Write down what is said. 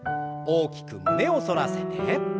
大きく胸を反らせて。